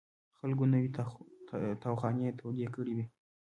خلکو نوې تاوخانې تودې کړې وې.